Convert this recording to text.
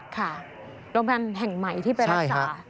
ค่ะโรงพยาบาลแห่งใหม่ที่ไปรักษา